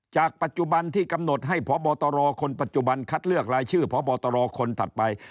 จากปัจจุบันที่กำหนดให้พบตรคนปัจจุบันคัดเลือกรายชื่อพบตรคนถัดไป